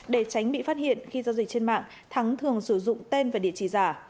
để tránh bị phát hiện khi giao dịch trên mạng thắng thường sử dụng tên và địa chỉ giả